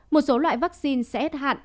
một số loại vaccine sẽ hết hạn